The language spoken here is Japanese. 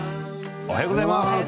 おはようございます。